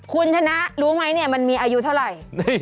คุณทนะรู้ไหมมันมีอายุเท่าไร